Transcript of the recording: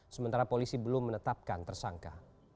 sementara polisi belum menetapkan tersangka